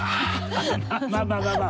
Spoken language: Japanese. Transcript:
まあまあまあまあ。